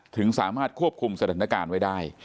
ถึงสามารถควบคุมสถานการณ์ไว้ได้